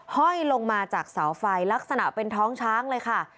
ห้อยลงมาจากเสาไฟลักษณะเป็นท้องช้างเลยค่ะ